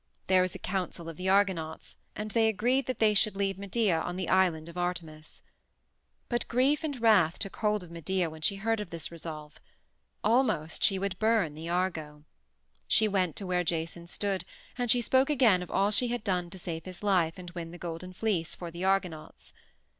There was a council of the Argonauts, and they agreed that they should leave Medea on the island of Artemis. But grief and wrath took hold of Medea when she heard of this resolve. Almost she would burn the Argo. She went to where Jason stood, and she spoke again of all she had done to save his life and win the Golden Fleece for the Argonauts.